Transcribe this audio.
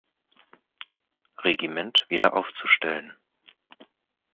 Regiment wieder aufzustellen.